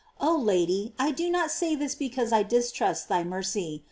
Oh Lady, I do not say this because I distrust thy mercy.